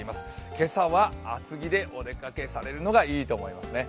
今朝は厚着でお出かけされるのがいいと思いますね。